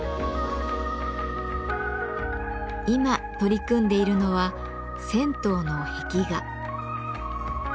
今取り組んでいるのは銭湯の壁画。